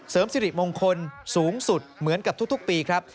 สิริมงคลสูงสุดเหมือนกับทุกปีครับ